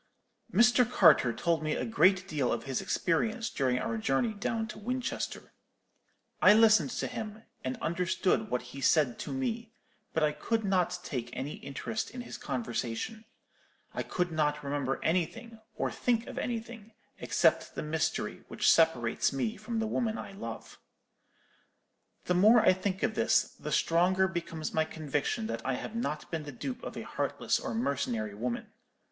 "Mr. Carter told me a great deal of his experience during our journey down to Winchester. I listened to him, and understood what he said to me; but I could not take any interest in his conversation. I could not remember anything, or think of anything, except the mystery which separates me from the woman I love. "The more I think of this, the stronger becomes my conviction that I have not been the dupe of a heartless or mercenary woman.